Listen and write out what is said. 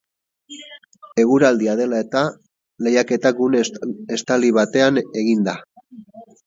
Eguraldia dela eta, lehiaketa gune estali batean egin da.